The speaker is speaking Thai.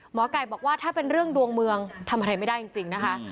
หมอไก่บอกว่าถ้าเป็นเรื่องดวงเมืองทำอะไรไม่ได้จริงนะคะ